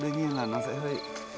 đương nhiên là nó sẽ hơi